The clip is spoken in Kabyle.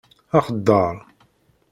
Akeddaṛ.